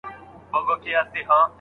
دغه مصارف د کوم شخص پر غاړه لازم دي؟